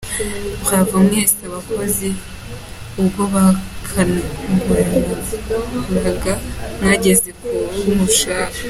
Bravo mwese abakozi ubwo bukangurambaga, mwageze ku cyo mushaka.